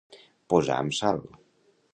Posar amb sal.